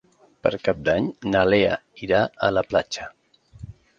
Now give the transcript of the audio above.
Per Cap d'Any na Lea irà a la platja.